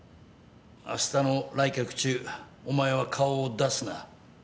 あしたの来客中お前は顔を出すな。